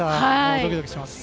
ドキドキします。